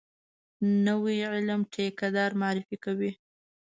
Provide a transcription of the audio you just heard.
نوی علم ټیکه دار معرفي کوي.